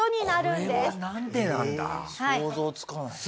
想像つかない。